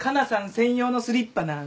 専用のスリッパなんだ。